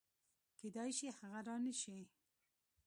کېدای شي هغه رانشي